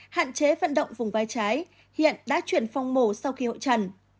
hạn chế vận động vùng vai trái hiện đã chuyển phong mổ sau khi hội trần